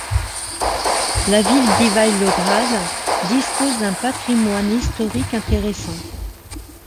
La ville d'Ivaïlovgrad dispose d'un patrimoine historique intéressant.